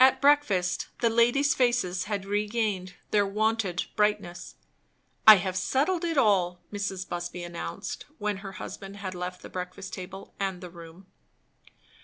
At breakfast the ladies' faces had regained their wonted brightness. "I have settled it all!" Mrs. Busby announced, when her husband had left the breakfast table and the room.